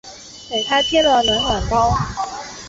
给她贴了暖暖包